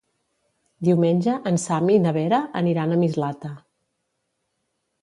Diumenge en Sam i na Vera aniran a Mislata.